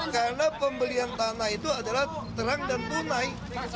karena pembelian tanah itu adalah terang dan tunai